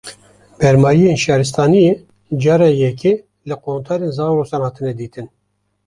Bermayiyên şaristaniyê, cara yekê li qontarên Zagrosan hatine dîtin